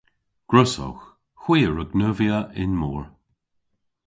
Gwrussowgh. Hwi a wrug neuvya y'n mor.